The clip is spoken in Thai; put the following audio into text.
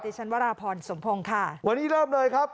ฉันวราพรสมพงศ์ค่ะวันนี้เริ่มเลยครับ